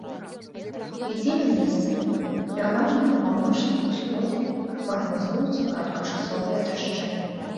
У нядзелю месцамі, пераважна па паўночным усходзе, прагназуюцца кароткачасовыя дажджы.